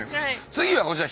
次はこちら。